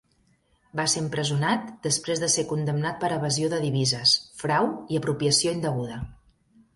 Va ser empresonat després de ser condemnat per evasió de divises, frau i apropiació indeguda.